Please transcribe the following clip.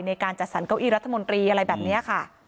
ในการจัดสรรเก้าอี้รัฐมนตรีอะไรแบบนี้ค่ะ